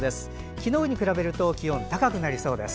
昨日に比べると気温が高くなりそうです。